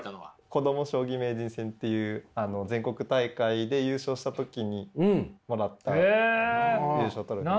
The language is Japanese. こども将棋名人戦っていう全国大会で優勝した時にもらった優勝トロフィーです。